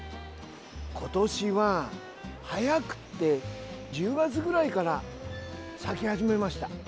今年は早くて１０月ぐらいから咲き始めました。